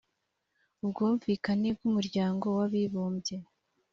ubwumvikane bw’umuryango w’abibumbye